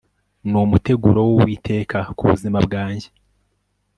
ni umuteguro w'uwiteka ku buzima bwanjye